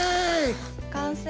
完成！